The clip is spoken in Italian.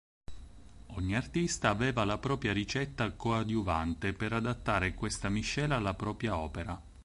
Ogni artista aveva la propria ricetta coadiuvante per adattare questa miscela alla propria opera.